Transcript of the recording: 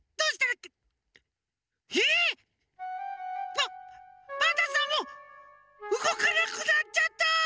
パパンタンさんもうごかなくなっちゃった！